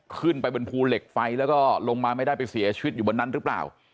ขึ้นไปบนภูเหล็กไฟแล้วก็ลงมาไม่ได้ไปเสียชีวิตอยู่บนนั้นหรือเปล่า